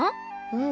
うん。